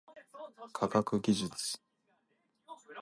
科学技術